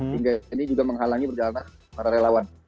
hingga ini juga menghalangi perjalanan para relawan